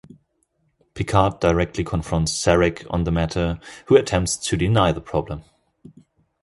Picard directly confronts Sarek on the matter, who attempts to deny the problem.